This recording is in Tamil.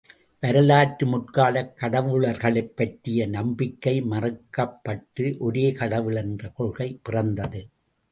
வரலாற்று முற்காலக் கடவுளர்களை ப் பற்றிய நம்பிக்கை மறுக்கப்பட்டு, ஒரே கடவுள் என்ற கொள்கை பிறந்தது.